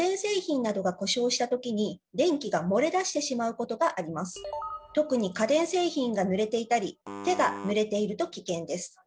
正解はアースとは特に家電製品がぬれていたり手がぬれていると危険です。